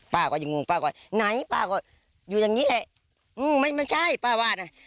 ป้าก็ยังงงป้าก็ไหนป้าก็อยู่อย่างนี้แหละไม่ใช่ป้าว่านะ